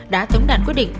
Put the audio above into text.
đã tống đạn quyết định